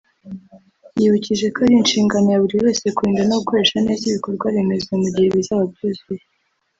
yibukije ko ari inshingano ya buri wese kurinda no gukoresha neza ibikorwa remezo mu gihe bizaba byuzuye